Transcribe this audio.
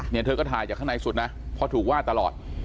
เนี้ยเธอก็ถ่ายจากข้างในสุดนะพอถูกว่าตลอด